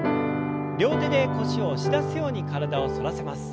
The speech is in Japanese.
両手で腰を押し出すように体を反らせます。